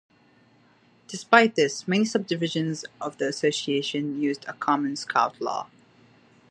Despite this, many subdivisions of the association use a common Scout Law.